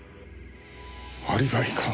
アリバイか？